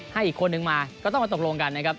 ให้อีกคนนึงมาก็ต้องมาตกลงกันนะครับ